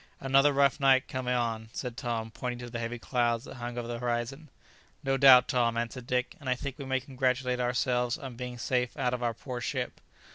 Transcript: "Another rough night coming on!" said Tom, pointing to the heavy clouds that hung over the horizon. "No doubt, Tom!" answered Dick, "and I think we may congratulate ourselves on being safe out of our poor ship."